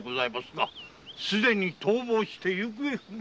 宗玄は逃亡して行方不明。